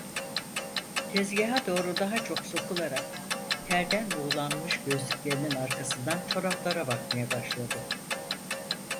Tezgâha doğru daha çok sokularak terden buğulanmış gözlüklerinin arkasından çoraplara bakmaya başladı.